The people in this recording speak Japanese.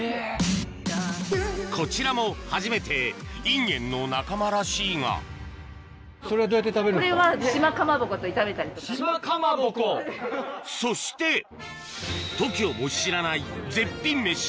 こちらも初めてインゲンの仲間らしいがそしてＴＯＫＩＯも知らない絶品メシ